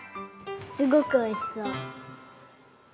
すごくおいしそう！